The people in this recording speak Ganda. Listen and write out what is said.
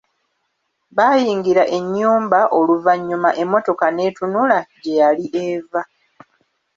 Baayingirira ennyumba oluvannyuma emmotoka n'etunula gye yali eva.